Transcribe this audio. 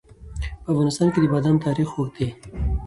په افغانستان کې د بادام تاریخ اوږد دی.